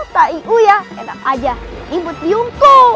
tau iu ya enak aja ibut biungku